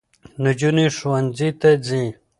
نجونې ښوونځي ته ځي.